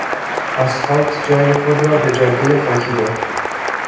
اسفالت جای خود را به جادهی خاکی داد.